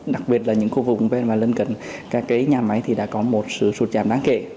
đặc biệt là những khu vực bên mà lên cạnh các cái nhà máy thì đã có một sự sụt chạm đáng kể